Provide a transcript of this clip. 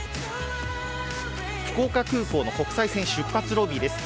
福岡空港の国際線出発ロビーです